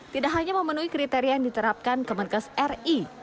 tidak hanya memenuhi kriteria yang diterapkan kemenkes ri